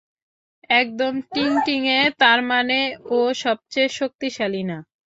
একদম টিংটিঙে, তার মানে ও সবচেয়ে শক্তিশালী না?